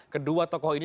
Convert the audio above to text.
kedua tokoh ini